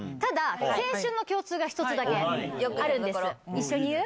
一緒に言う？